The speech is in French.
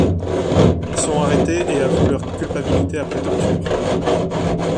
Ils sont arrêtés et avouent leur culpabilité après tortures.